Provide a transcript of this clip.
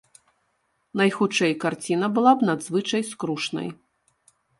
Найхутчэй, карціна была б надзвычай скрушнай.